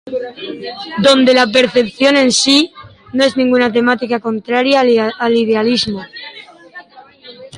Donde la percepción en sí, no es ninguna temática contraria al idealismo.